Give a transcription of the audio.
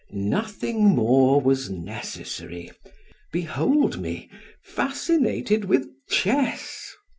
Nothing more was necessary; behold me fascinated with chess!